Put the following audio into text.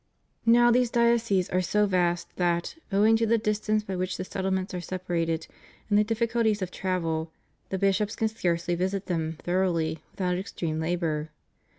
Now these dioceses are so vast that, owing to the dis tance by which the settlements are separated and the difficulties of travel, the bishops can scarcely visit them thoroughly without extreme labor.